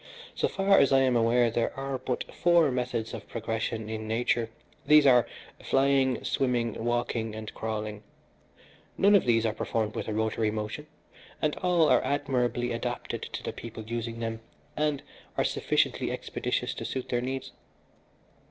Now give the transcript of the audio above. So far as I am aware there are but four methods of progression in nature these are, flying, swimming, walking and crawling. None of these are performed with a rotary motion, and all are admirably adapted to the people using them, and are sufficiently expeditious to suit their needs.